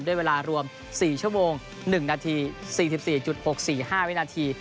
ด้วยเวลารวม๔ชั่วโมง๑นาที๔๔๖๔๕วินาที